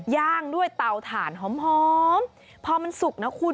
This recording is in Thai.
ย่างด้วยเตาถ่านหอมพอมันสุกนะคุณ